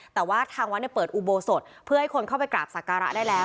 แต่ว่าทางวัดเปิดอุโบสถเพื่อให้คนเข้าไปกราบสักการะได้แล้ว